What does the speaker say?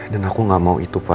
dan aku gak mau itu pak